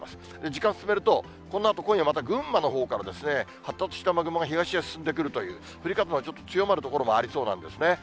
時間進めると、このあと今夜、また群馬のほうから発達した雨雲が東へ進んでくるという、降り方がちょっと強まる所もありそうなんですね。